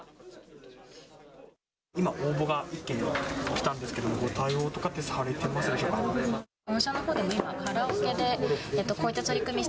今、応募が１件来たんですけれども、ご対応とかって、されてますでし